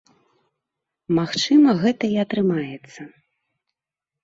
Магчыма, гэта і атрымаецца.